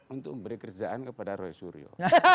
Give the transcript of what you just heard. untuk memberi kerjaan kepada roy suryo